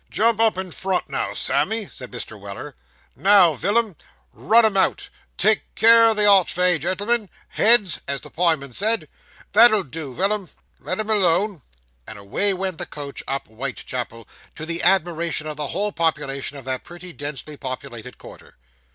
'Jump up in front, Sammy,' said Mr. Weller. 'Now Villam, run 'em out. Take care o' the archvay, gen'l'm'n. "Heads," as the pieman says. That'll do, Villam. Let 'em alone.' And away went the coach up Whitechapel, to the admiration of the whole population of that pretty densely populated quarter.